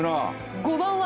５番は？